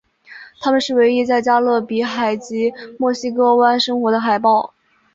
它们是唯一在加勒比海及墨西哥湾生活的海豹。